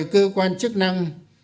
một mươi cơ quan chức năng